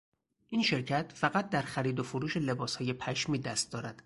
این شرکت فقط در خرید و فروش لباسهای پشمی دست دارد.